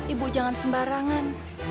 ibu jangan sembarangan